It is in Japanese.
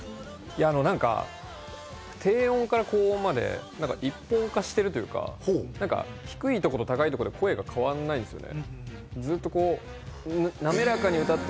低音から高音まで一本化してるというか、低いところ、高いところで声が変わんないんですね。